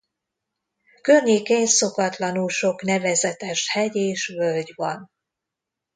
Környékén szokatlanul sok nevezetes hegy és völgy van.